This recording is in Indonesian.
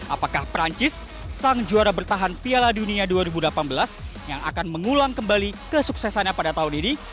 apakah perancis sang juara bertahan piala dunia dua ribu delapan belas yang akan mengulang kembali kesuksesannya pada tahun ini